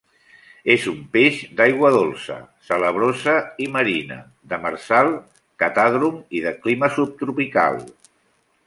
És un peix d'aigua dolça, salabrosa i marina; demersal; catàdrom i de clima subtropical.